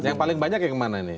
yang paling banyak yang mana ini